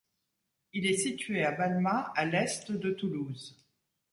Il est situé à Balma à l'est de Toulouse.